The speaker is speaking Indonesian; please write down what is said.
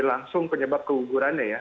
langsung penyebab kegugurannya ya